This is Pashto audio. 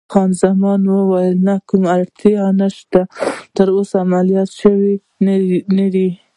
خان زمان وویل: نه، کومه اړتیا نشته، ته تراوسه عملیات شوی نه یې.